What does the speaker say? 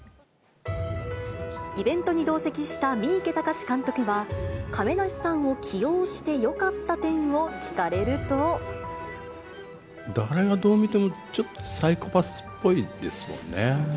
イベントに同席した三池崇史監督は、亀梨さんを起用してよかった誰がどう見ても、ちょっとサイコパスっぽいですよね。